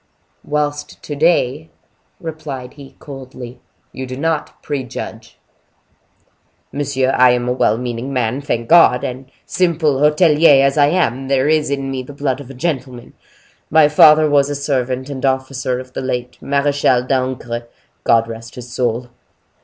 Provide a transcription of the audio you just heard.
"Whilst to day," replied he, coldly, "you do not prejudge." "Monsieur, I am a well meaning man, thank God! and simple hotelier as I am, there is in me the blood of a gentleman. My father was a servant and officer of the late Marechal d'Ancre. God rest his soul!"